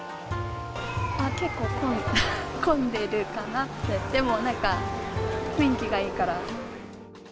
結構混んでるかなって、でもなんか雰囲気がいいから。